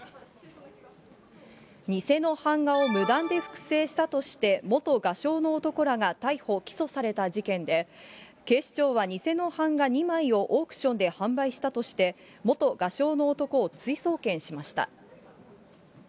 偽の版画を無断で複製したとして、元画商の男らが逮捕・起訴された事件で、警視庁は偽の版画２枚をオークションで販売したとして、元画商の男を追送検しました。